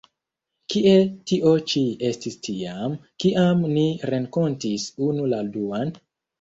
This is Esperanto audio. Kie tio ĉi estis tiam, kiam ni renkontis unu la duan?